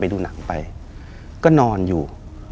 ดูหนังไปก็นอนอยู่